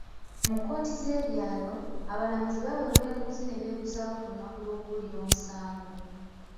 Mu kkooti z'ebyalo, abalamuzi baweebwa enguzi ne beebuzaawo ku lunaku lw'okuwulira omusango.